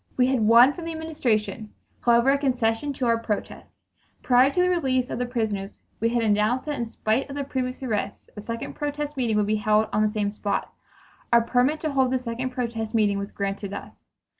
We had won from the Administration, however, a concession to our protest. Prior to the release of the prisoners we had announced that in spite of the previous arrests a second protest meeting would be held on the same spot. A permit to hold this second protest meeting was granted us.